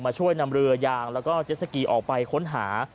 ช่วยนำเรือยางแล้วก็เจ็ดสกีออกไปค้นหา